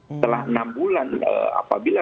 setelah enam bulan apabila